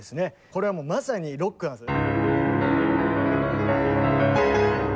これはもうまさにロックなんです。